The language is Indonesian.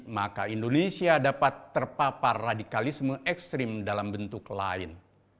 maka indonesia dapat terpapar radikalisme ekstrim dalam bentuk lain